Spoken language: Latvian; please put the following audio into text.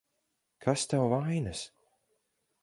Kas tev vainas?